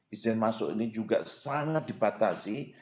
izin masuk ini juga sangat dibatasi